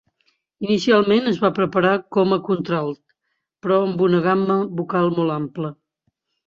Inicialment es va preparar com a contralt, però amb una gamma vocal molt ampla.